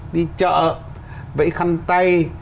đi chợ vẫy khăn tay